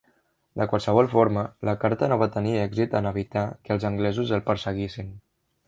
De qualsevol forma, la carta no va tenir èxit en evitar que els anglesos el perseguissin.